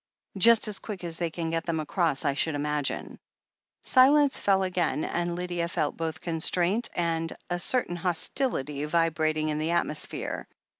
"Just as quick as they can get them across, I should imagine." Silence fell again and Lydia felt both constraint and a certain hostility vibrating in the atmosphere.